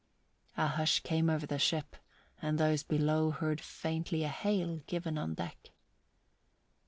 A hush came over the ship and those below heard faintly a hail given on deck.